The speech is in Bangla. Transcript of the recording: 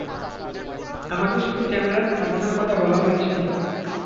আমাকে শুধু ক্যামেরা স্থাপনের কথা বলা হয়েছিল।